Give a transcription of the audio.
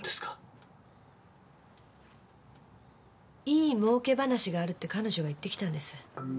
いい儲け話があるって彼女が言ってきたんです。